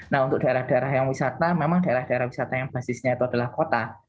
nah untuk daerah daerah yang wisata memang daerah daerah wisata yang basisnya itu adalah kota